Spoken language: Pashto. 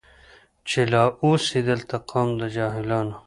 چي لا اوسي دلته قوم د جاهلانو